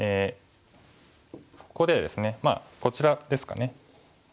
ここでですねまあこちらですかね。